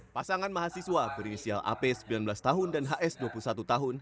pasangan mahasiswa berinisial ap sembilan belas tahun dan hs dua puluh satu tahun